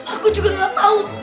aku juga gak tau